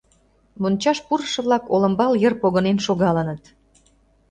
Мончаш пурышо-влак олымбал йыр погынен шогалыныт.